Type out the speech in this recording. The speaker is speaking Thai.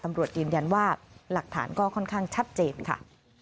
ตำรวจยืนยันว่าหลักฐานก็ค่อนข้างชัดเจนค่ะ